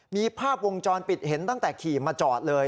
มีภาพวงจรปิดเห็นตั้งแต่ขี่มาจอดเลย